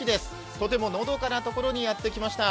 とてものどかな所にやってきました。